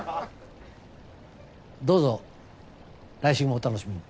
どうぞ来週もお楽しみに。